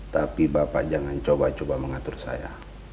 tapi bapak jangan coba coba mengatur saya